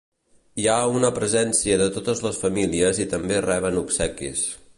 Hi ha una presència de totes les famílies i també reben obsequis.